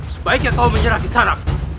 sebaiknya kau menyerah di sana